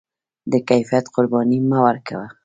د کیفیت قرباني مه ورکوه.